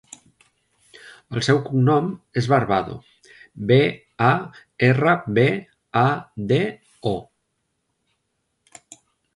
El seu cognom és Barbado: be, a, erra, be, a, de, o.